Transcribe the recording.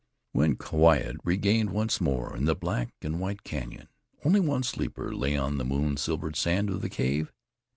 When quiet reigned once more in the black and white canyon, only one sleeper lay on the moon silvered sand of the cave.